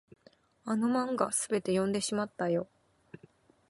あの漫画、すべて読んでしまったよ。